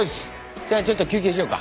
じゃあちょっと休憩しようか。